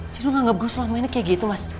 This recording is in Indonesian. jadi lu nganggep gue selama ini kaya gitu mas